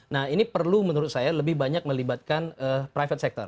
nah ini perlu menurut saya lebih banyak melibatkan private sector